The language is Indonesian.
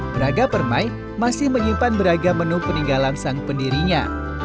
braga permai masih menyimpan beragam menu peninggalan sang pendirinya